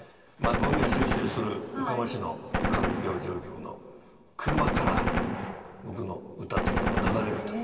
ゴミを収集する横浜市の環境事務局の車から僕の歌ってる曲が流れるという。